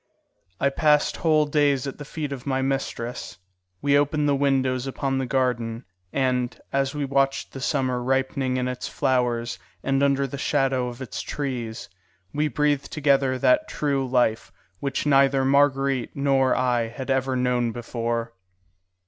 I passed whole days at the feet of my mistress. We opened the windows upon the garden, and, as we watched the summer ripening in its flowers and under the shadow of the trees, we breathed together that true life which neither Marguerite nor I had ever known before.